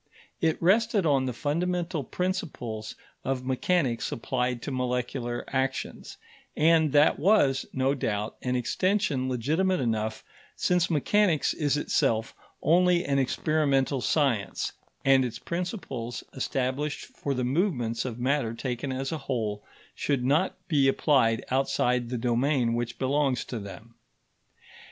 It rested on the fundamental principles of mechanics applied to molecular actions; and that was, no doubt, an extension legitimate enough, since mechanics is itself only an experimental science, and its principles, established for the movements of matter taken as a whole, should not be applied outside the domain which belongs to them.